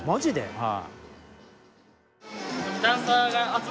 はい。